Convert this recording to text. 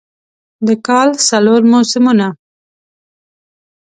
د کال څلور موسمونه